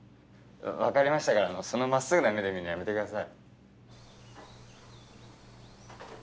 わかりましたからそのまっすぐな目で見るのやめてください。